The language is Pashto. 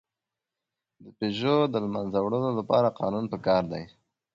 د پيژو د له منځه وړلو لپاره قانون پکار دی.